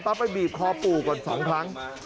ปั๊บไปบีบคอปูก่อน๒ครั้ง